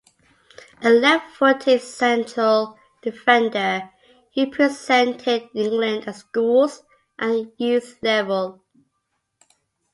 A left-footed central defender, he represented England at schools and youth level.